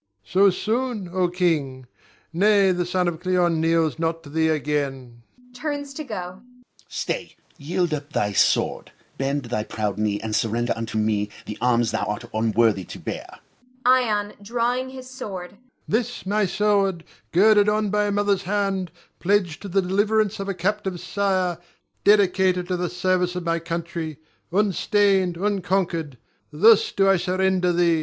Ion. So soon, O king! nay, the son of Cleon kneels not to thee again [turns to go]. Moh'd. Stay, yield up thy sword! Bend thy proud knee, and surrender unto me the arms thou art unworthy now to bear. Ion [drawing his sword]. This, my sword, girded on by a mother's hand, pledged to the deliverance of a captive sire, dedicated to the service of my country, unstained, unconquered, thus do I surrender thee.